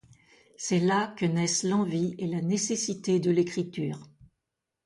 C’est là que naissent l’envie et la nécessité de l’écriture.